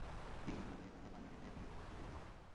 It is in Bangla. বিনয় তাড়াতাড়ি তাঁহার পায়ের কাছে লুটাইয়া পড়িয়া কহিল, মা!